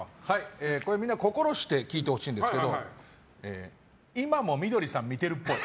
みんな心して聞いてほしいんですけど今も美どりさん見てるっぽい。